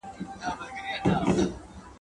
یوه شېبه دي له رقیبه سره مل نه یمه ..